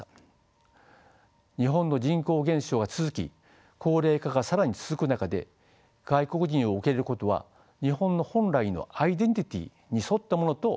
日本の人口減少が続き高齢化が更に続く中で外国人を受け入れることは日本の本来のアイデンティティーに沿ったものと言えるのかもしれません。